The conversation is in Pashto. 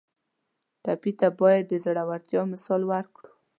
ټپي ته باید د زړورتیا مثال ورکړو.